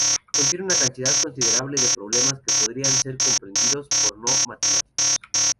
Contiene una cantidad considerable de problemas que podrían ser comprendidos por "no matemáticos".